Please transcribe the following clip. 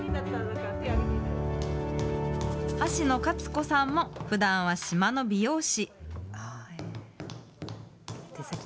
橋野香津子さんもふだんは島の美容師。